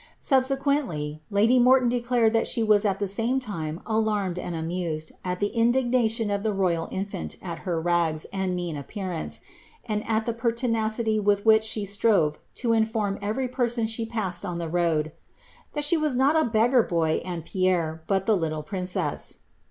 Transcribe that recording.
Subsequently lady Morton declared that aha t tho aama time alarmed and amnaed at the indignation of the ropl other rags and mean appearance, and at the pertinacity with which rove to inform every person she passed on the road ^ that she waa beggar boy and Pierre, but the little princess."'